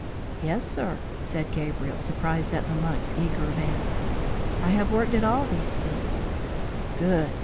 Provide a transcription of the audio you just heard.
"Yes, sir," said Gabriel, surprised at the monk's eager manner, "I have worked at all these things." "Good!"